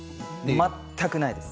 全くないです。